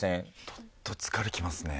どっと疲れきますね。